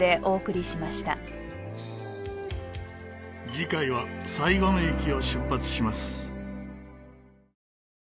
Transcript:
次回はサイゴン駅を出発します。